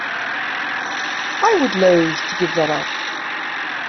I would loathe to give that up.